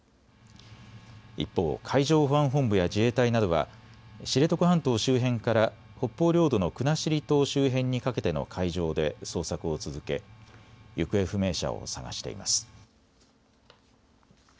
一方、海上保安本部や自衛隊などは知床半島周辺から北方領土の国後島周辺にかけての海上で捜索を続け行方不明者を捜しています。